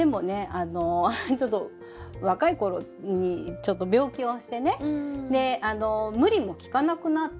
あのちょっと若い頃にちょっと病気をしてねであの無理も利かなくなって。